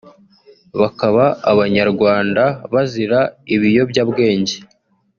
bakaba Abanyarwanda bazira ibiyobyabwenge